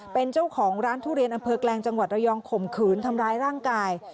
เป็นเจ้าของร้านทุเรียนอำเภอแกลงจังหวัดระยองข่มขืนทำร้ายร่างกาย